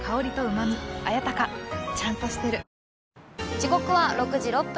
時刻は６時６分。